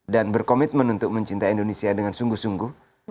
dan berkomitmen untuk mencintai indonesia dengan sungguh sungguh